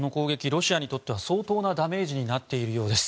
ロシアにとっては相当なダメージになっているようです。